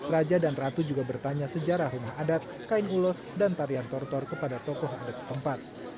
raja dan ratu juga bertanya sejarah rumah adat kain ulos dan tarian tortor kepada tokoh adat setempat